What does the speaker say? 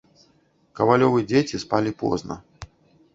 Кавалёвы дзеці спалі позна.